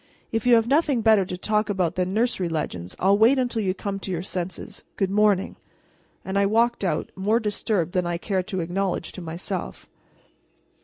If you have nothing better to talk about than nursery legends I'll wait until you come to your senses. Good morning." And I walked out, more disturbed than I cared to acknowledge to myself.